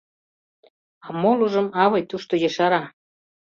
А молыжым авый тушто ешара.